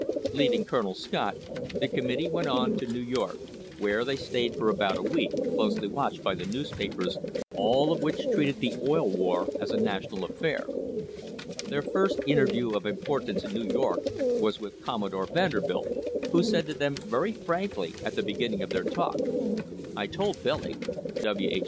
Leaving Colonel Scott the committee went on to New York, where they stayed for about a week, closely watched by] the newspapers, all of which treated the "Oil War" as a I national affair. Their first interview of importance in New! THE OIL WAR OF 1872 York was with Commodore Vanderbilt, who said to them very frankly at the beginning of their talk: "I told Billy (W. H.